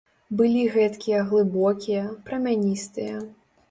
Былі гэткія глыбокія, прамяністыя.